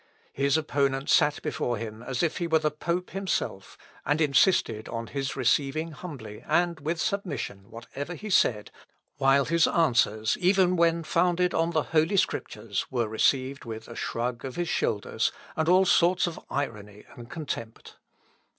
His opponent sat before him as if he were the pope himself, and insisted on his receiving humbly, and with submission, whatever he said, while his answers, even when founded on the Holy Scriptures, were received with a shrug of his shoulders, and all sorts of irony and contempt.